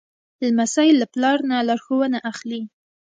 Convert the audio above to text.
لمسی له پلار نه لارښوونه اخلي.